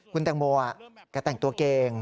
คุณแตงโมแกแต่งตัวเกง